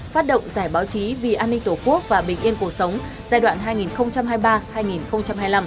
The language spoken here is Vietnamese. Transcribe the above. phát động giải báo chí vì an ninh tổ quốc và bình yên cuộc sống giai đoạn hai nghìn hai mươi ba hai nghìn hai mươi năm